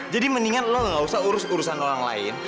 jadi mendingan lo gak usah urus urusan orang lain